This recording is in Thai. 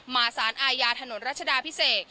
สารอาญาถนนรัชดาพิเศษ